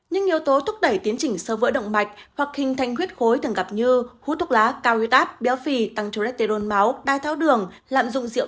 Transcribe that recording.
hoặc như hút thuốc lá cao huyết áp béo phì tăng cholesterol máu đai tháo đường lạm dụng rượu